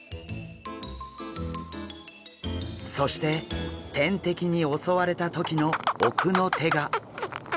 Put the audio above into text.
そして天敵に襲われた時の奥の手が。